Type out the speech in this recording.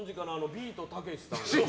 ビートたけしさん。